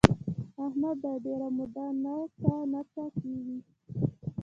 احمد دا ډېره موده ننڅه ننڅه کېږي.